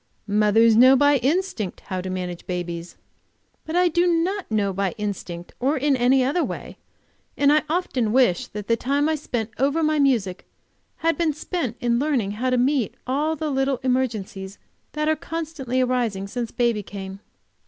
Mothers know by instinct how to manage babies." But I do not know by instinct, or in any other way, and I often wish that the time I spent over my music had been spent learning how to meet all the little emergencies that are constantly arising since baby came.